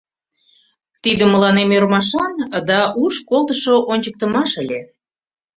Тиде мыланем ӧрмашан да уш колтышо ончыктымаш ыле.